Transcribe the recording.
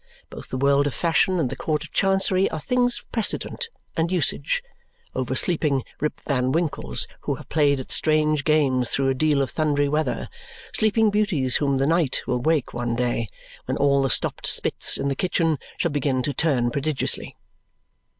Both the world of fashion and the Court of Chancery are things of precedent and usage: oversleeping Rip Van Winkles who have played at strange games through a deal of thundery weather; sleeping beauties whom the knight will wake one day, when all the stopped spits in the kitchen shall begin to turn prodigiously!